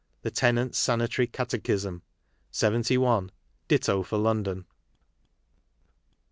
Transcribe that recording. The Tenant's Sanitary Catechism^ 71. Ditto for London.